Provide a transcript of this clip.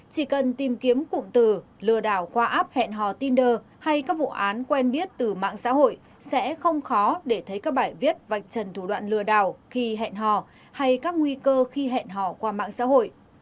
chỉ cần tìm kiếm cụm từ lừa đảo qua app hẹn hò tinder hay các vụ án quen biết từ mạng xã hội sẽ không khó để thấy các bài viết vạch trần thủ đoạn lừa đảo khi hẹn hò hay các nguy cơ khi hẹn hò qua mạng xã hội